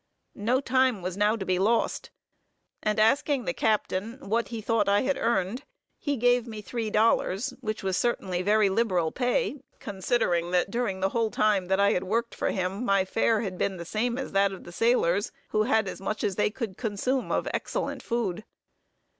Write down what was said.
No time was now to be lost, and asking the captain what he thought I had earned, he gave me three dollars, which was certainly very liberal pay, considering that during the whole time that I had worked for him my fare had been the same as that of the sailors, who had as much as they could consume of excellent food.